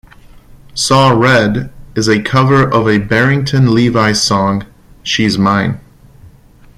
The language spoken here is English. "Saw Red" is a cover of a Barrington Levy song, "She's Mine".